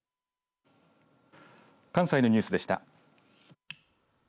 関西のニュースでした。